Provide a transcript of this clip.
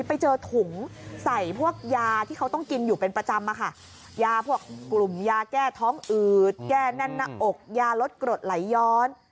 ไปเจอถุงใส่พวกยาที่เขาต้องกินอยู่เป็นประจำอะค่ะยาพวกกลุ่มยาแก้ท้องอืดแก้แน่นหน้าอกยาลดกรดไหลย้อน